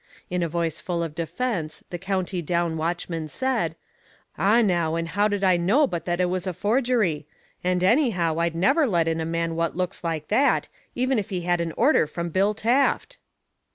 In a voice full of defense the County Down watchman said: "Ah, now, and how did I know but that it was a forgery? And anyhow, I'd never let in a man what looks like that, even if he had an order from Bill Taft."